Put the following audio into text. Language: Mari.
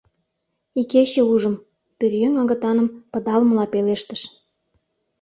Икече ужым... — пӧръеҥ агытаным пыдалмыла пелештыш.